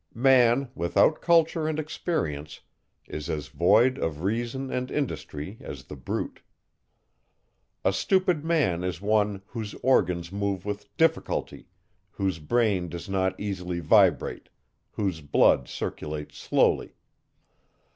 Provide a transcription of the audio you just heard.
Man, without culture and experience, is as void of reason and industry, as the brute. A stupid man is one, whose organs move with difficulty, whose brain does not easily vibrate, whose blood circulates slowly.